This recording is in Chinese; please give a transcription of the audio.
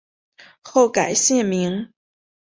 后改现名。